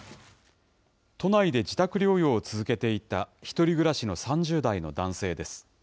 都内で自宅療養を続けていた１人暮らしの３０代の男性です。